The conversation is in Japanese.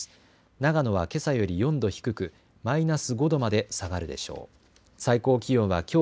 長野はけさより４度低くマイナス５度まで下がるでしょう。